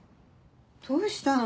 どうしたの？